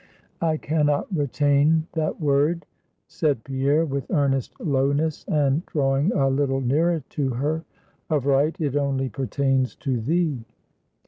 "I can not retain that word" said Pierre, with earnest lowness, and drawing a little nearer to her "of right, it only pertains to thee."